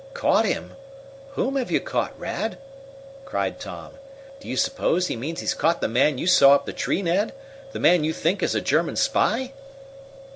"Caught him? Whom have you caught, Rad?" cried Tom. "Do you suppose he means he's caught the man you saw up the tree, Ned? The man you think is a German spy?"